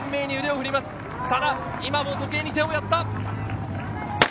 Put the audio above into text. ただ今、時計に手をやった。